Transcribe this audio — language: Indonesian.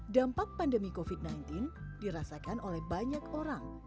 dampak pandemi covid sembilan belas dirasakan oleh banyak orang